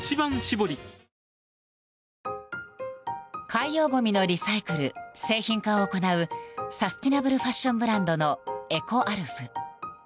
海洋ごみのリサイクル・製品化を行うサステナブルファッションブランドのエコアルフ。